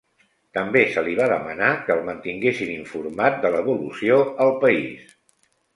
També se li va demanar que el mantinguessin informat de l'evolució al país.